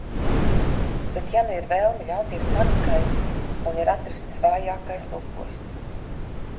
Bet, ja nu ir vēlme ļauties panikai... un ir atrasts vājākais upuris...